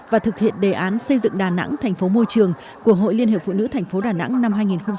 và thực hiện đề án xây dựng đà nẵng thành phố môi trường của hội liên hiệp phụ nữ tp đà nẵng năm hai nghìn hai mươi